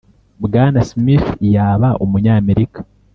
bwana smith yaba umunyamerika?